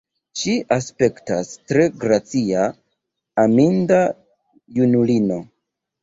Ŝi aspektas tre gracia, aminda junulino.